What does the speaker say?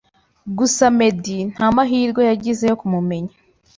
gusa Meddy ntamahwirwe yagize yo kumumenya